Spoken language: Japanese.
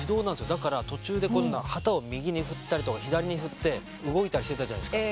だから途中で旗を右に振ったりとか左に振って動いたりしてたじゃないですか。